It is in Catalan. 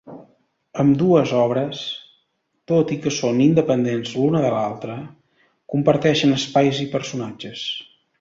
Ambdues obres, tot i que són independents l'una de l'altra, comparteixen espais i personatges.